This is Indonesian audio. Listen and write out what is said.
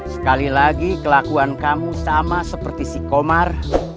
sekali lagi kelakuan kamu sama seperti si komar